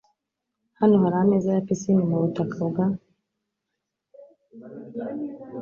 Hano hari ameza ya pisine mubutaka bwa .